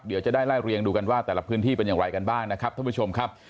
เดี๋ยวจะได้ไล่เรียงดูกันว่าแต่ละพื้นที่เป็นอย่างไรกันบ้างนะครับท่านผู้ชมครับ